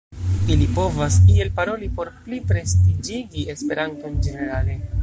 Ili povas iel paroli por pli prestiĝigi esperanton ĝenerale.